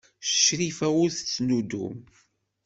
Crifa ur tettnuddum.